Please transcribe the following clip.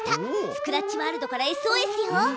スクラッチワールドからＳＯＳよ。